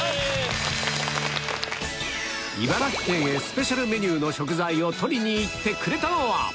茨城県へスペシャルメニューの食材を取りに行ってくれたのは！